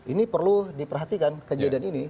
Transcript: ini perlu diperhatikan kejadian ini